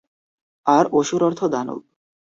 আর অসুর অর্থ দানব।